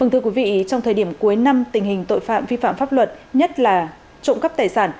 trong thời điểm cuối năm tình hình tội phạm vi phạm pháp luật nhất là trộm cắp tài sản